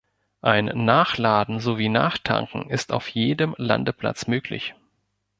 Ein Nachladen sowie Nachtanken ist auf jedem Landeplatz möglich.